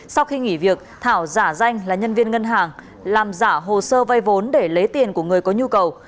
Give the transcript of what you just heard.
sau khi nghỉ việc thảo giả danh là nhân viên ngân hàng làm giả hồ sơ vay vốn để lấy tiền của người có nhu cầu